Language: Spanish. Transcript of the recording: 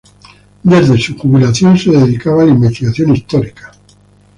Desde su jubilación, se dedicaba a la investigación histórica.